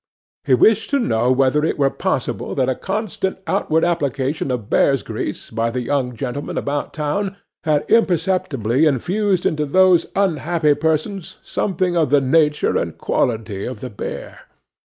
He wished to know whether it were possible that a constant outward application of bears' grease by the young gentlemen about town had imperceptibly infused into those unhappy persons something of the nature and quality of the bear.